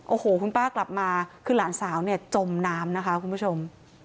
โอ้โหคุณป้ากลับมาคือหลานสาวเนี่ยจมน้ำนะคะคุณผู้ชม